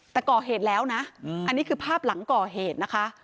แต่ก่อเหตุแล้วนะอันนี้คือภาพหลังก่อเหตุนะคะ